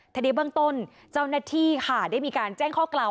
ทีนี้เบื้องต้นเจ้าหน้าที่ค่ะได้มีการแจ้งข้อกล่าว